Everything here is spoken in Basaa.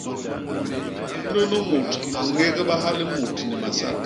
Nunu mut a ñégbaha limut ni masak.